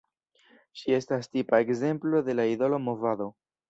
Ŝi estas tipa ekzemplo de la idolo movado.